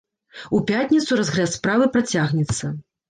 У пятніцу разгляд справы працягнецца.